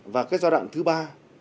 và giai đoạn thứ ba